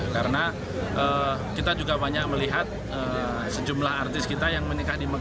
karena kita juga banyak melihat sejumlah artis kita yang menikah di mekah